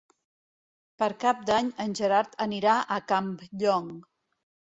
Per Cap d'Any en Gerard anirà a Campllong.